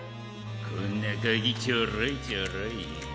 こんなカギちょろいちょろい。